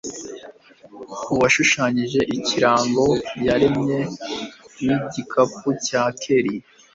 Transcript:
uwashushanyije ikirango yaremye n’igikapu cya Kelly?